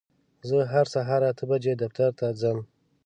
زه هر سهار اته بجې دفتر ته ځم.